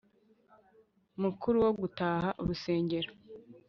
mukuru wo gutaha urusengero